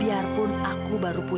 seseorang yang tidak mau disuruh pergi